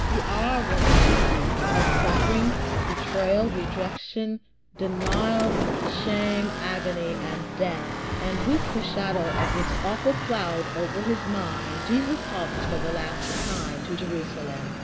The hour was at hand, of suffering, betrayal, rejection, denial, shame, agony, and death; and with the shadow of this awful cloud over his mind, Jesus comes for the last time to Jerusalem.